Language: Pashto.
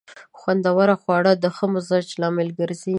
خوندور خواړه د ښه مزاج لامل ګرځي.